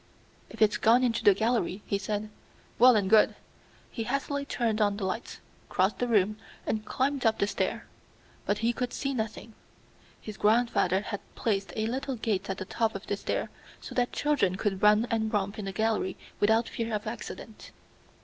"If it's gone into the gallery," he said, "well and good." He hastily turned on the lights, crossed the room, and climbed up the stair. But he could see nothing. His grandfather had placed a little gate at the top of the stair, so that children could run and romp in the gallery without fear of accident.